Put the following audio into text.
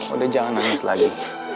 udah jangan nangis lagi